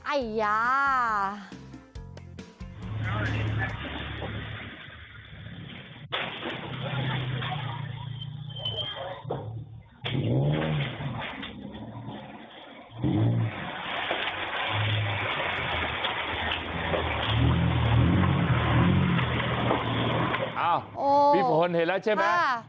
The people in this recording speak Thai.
พี่ฝนเห็นแล้วใช่ไหม